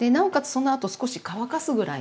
そのあと少し乾かすぐらいの。